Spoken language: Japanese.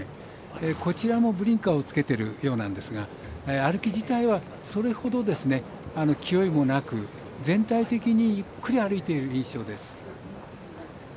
こちらも、ブリンカーを着けているようなんですが歩き自体はそれほど気負いもなく、全体的にゆっくり歩いている印象です。